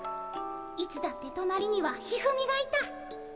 いつだってとなりには一二三がいた。